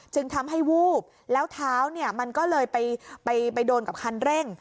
จึงทำให้วูบแล้วเท้าเนี่ยมันก็เลยไปโดนกับคันเร่ง